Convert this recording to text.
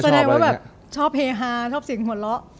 แสดงว่าแบบชอบเฮฮาชอบเสียงหัวเราะ